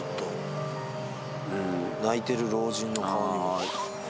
泣いてる老人の顔にも。